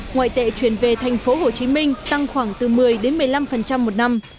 ngoại tệ chuyển về thành phố hồ chí minh tăng khoảng từ một mươi một mươi năm một năm